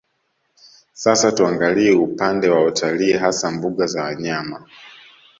Sasa tuangalie upande wa utalii hasa mbuga za wanyama